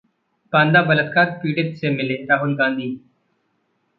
बांदा बलात्कार पीड़ित से मिले राहुल गांधी